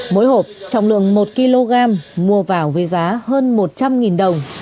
mỗi hộp trọng lượng một kg mua vào với giá hơn một trăm linh đồng